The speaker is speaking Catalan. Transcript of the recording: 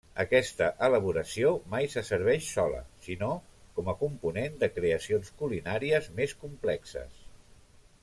Aquesta elaboració mai se serveix sola, sinó com a component de creacions culinàries més complexes.